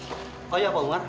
oh iya pak umar